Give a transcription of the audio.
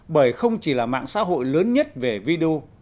bởi không chỉ là mạng xã hội lớn nhất về video